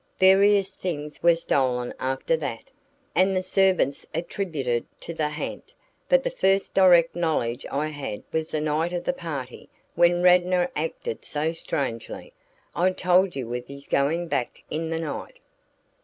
"Various things were stolen after that, and the servants attributed it to the ha'nt, but the first direct knowledge I had was the night of the party when Radnor acted so strangely. I told you of his going back in the night."